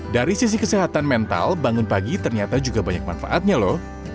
dari sisi kesehatan mental bangun pagi ternyata juga banyak manfaatnya loh